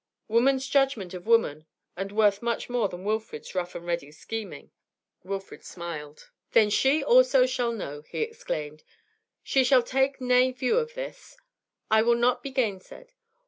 Woman's judgment of woman, and worth much more than Wilfrid's rough and ready scheming. Wilfrid smiled. 'Then she also shall know,' he exclaimed. 'She shall take nay view of this; I will not be gainsaid.